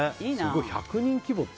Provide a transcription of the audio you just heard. すごい、１００人規模って。